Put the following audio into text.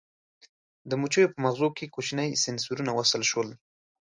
د مچیو په مغزو کې کوچني سېنسرونه وصل شول.